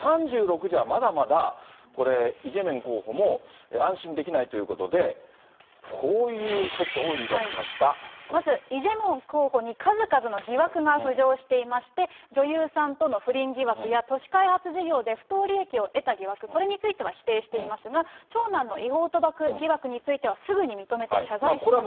３６じゃまだまだこれ、イ・ジェミョン候補も安心できないということで、こういうことを言いだしまずイ・ジェミョン候補に数々の疑惑が浮上していまして、女優さんとの不倫疑惑や都市開発事業で不当利益を得た疑惑、これについては否定していますが、長男の違法賭博疑惑については、すでに認めて謝罪しました。